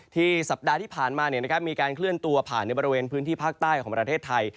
สัปดาห์ที่ผ่านมามีการเคลื่อนตัวผ่านในบริเวณพื้นที่ภาคใต้ของประเทศไทย